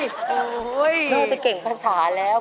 นอกจากเป็นเก่งภาษาแล้ว